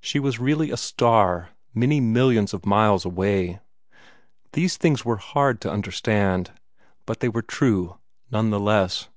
She was really a star, many millions of miles away. These things were hard to understand; but they were true, none the less.